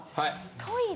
・トイレ。